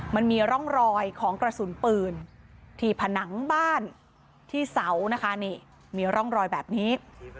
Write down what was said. มันมีร่องรอยของกระสุนปืนที่ผนังบ้านที่เสานะคะนี่มีร่องรอยแบบนี้